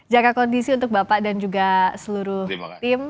jaga kondisi untuk bapak dan juga seluruh tim